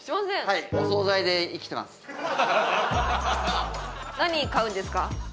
はい何買うんですか？